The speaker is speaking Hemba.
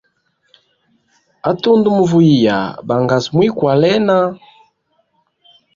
A tundu muvuyiya bangasu mwikwalena.